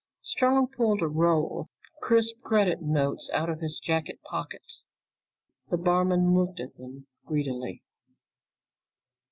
Strong pulled a roll of crisp credit notes out of his jacket pocket. The barman looked at them greedily.